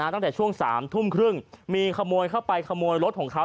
ตั้งแต่ช่วง๓ทุ่มครึ่งมีขโมยเข้าไปขโมยรถของเขา